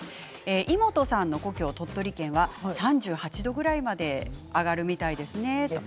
イモトさんの故郷、鳥取県は３８度くらいまで上がるみたいですね。